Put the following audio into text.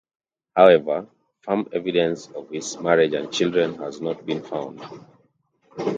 However, firm evidence of his marriage and children has not been found.